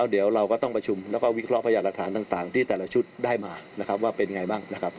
เดี๋ยวเราก็ต้องประชุมแล้วก็วิเคราะหยาดหลักฐานต่างที่แต่ละชุดได้มานะครับว่าเป็นไงบ้างนะครับ